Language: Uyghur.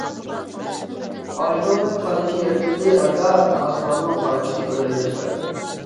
ئايدىڭنىڭ كالىچى يىرتىلدى ئايدا، ئاسماننىڭ پارچىسى ئۆرلەيدۇ سايدىن.